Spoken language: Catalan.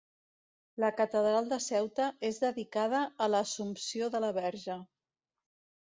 La catedral de Ceuta és dedicada a l'Assumpció de la Verge.